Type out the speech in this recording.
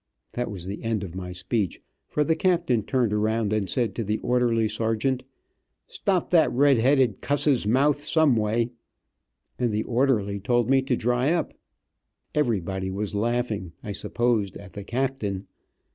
That was the end of my speech, for the captain turned around and said to the orderly sergeant, "Stop that red headed cusses mouth some way," and the orderly told me to dry up. Everybody was laughing, I supposed, at the captain.